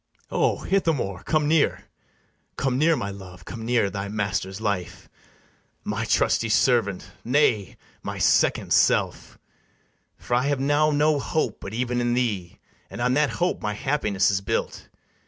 Enter ITHAMORE. O Ithamore, come near; Come near, my love; come near, thy master's life, My trusty servant, nay, my second self; For I have now no hope but even in thee, And on that hope my happiness is built.